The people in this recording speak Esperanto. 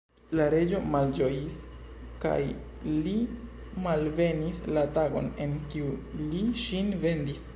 La reĝo malĝojis kaj li malbenis la tagon, en kiu li ŝin vendis.